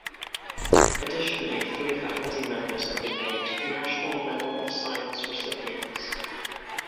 Additionally, three faculty members have been named National Medal of Science recipients.